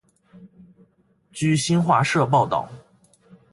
据新华社报道